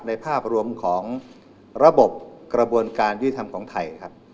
ภาพรวมของระบบกระบวนการยุติธรรมของไทยครับ